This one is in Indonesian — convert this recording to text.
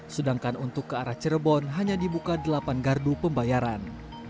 sedangkan untuk ke arah cirebon hanya dibuka delapan gardu pembayaran